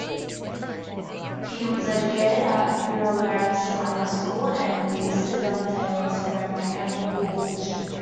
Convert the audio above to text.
He was educated at Beaumaris Grammar School and Mr John Taylor's Cramming Academy, Woolwich.